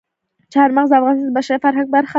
چار مغز د افغانستان د بشري فرهنګ برخه ده.